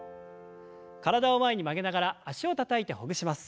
体を前に曲げながら脚をたたいてほぐします。